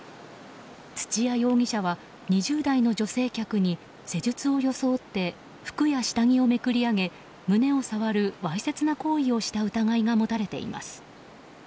土谷容疑者は２０代の女性客に施術を装って服や下着をめくり上げ、胸を触るわいせつな行為をした疑いが持たれています。